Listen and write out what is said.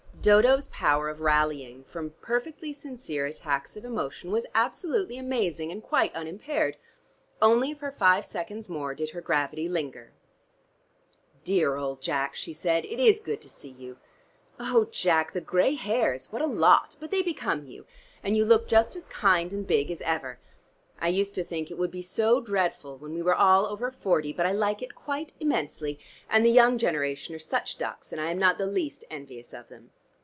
Dodo's power of rallying from perfectly sincere attacks of emotion was absolutely amazing and quite unimpaired. Only for five seconds more did her gravity linger. "Dear old Jack," she said. "It is good to see you. Oh, Jack, the gray hairs. What a lot, but they become you, and you look just as kind and big as ever. I used to think it would be so dreadful when we were all over forty, but I like it quite immensely, and the young generation are such ducks, and I am not the least envious of them.